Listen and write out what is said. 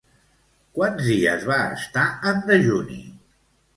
Quants dies va estar en dejuni?